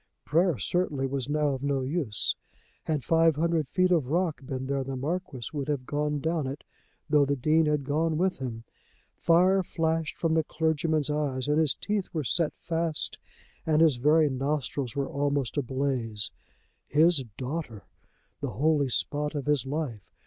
Prayer certainly was now of no use. Had five hundred feet of rock been there the Marquis would have gone down it, though the Dean had gone with him. Fire flashed from the clergyman's eyes, and his teeth were set fast and his very nostrils were almost ablaze. His daughter! The holy spot of his life!